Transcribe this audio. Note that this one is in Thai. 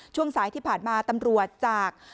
ช่วงสายที่ผ่านมาตำรวจจาก